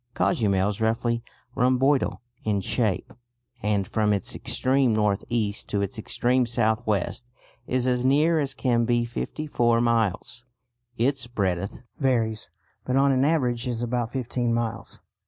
Cozumel is roughly rhomboidal in shape, and from its extreme north east to its extreme south west is as near as can be fifty four miles. Its breadth varies, but on an average is about fifteen miles.